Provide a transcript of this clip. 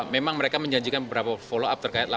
memang mereka menjanjikan beberapa follow up terkait